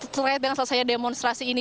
terkait dengan selesainya demonstrasi ini